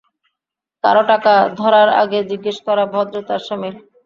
কারো টাকা ধরার আগে জিজ্ঞেস করা ভদ্রতার শামিল।